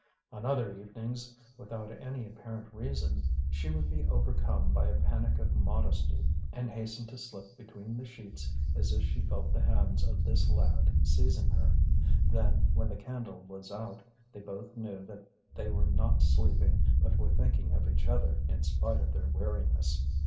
On other evenings, without any apparent reason, she would be overcome by a panic of modesty and hasten to slip between the sheets as if she felt the hands of this lad seizing her. Then, when the candle was out, they both knew that they were not sleeping but were thinking of each other in spite of their weariness.